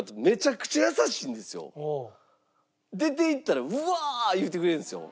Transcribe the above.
出て行ったら「うわ！」言うてくれるんですよ。